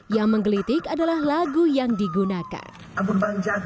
yang menggelitik adalah lagu yang digunakan